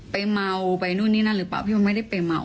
ไปเมาไปนู่นนี่นั่นหรือเปล่าพี่มันไม่ได้ไปเมา